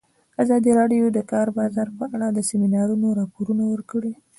ازادي راډیو د د کار بازار په اړه د سیمینارونو راپورونه ورکړي.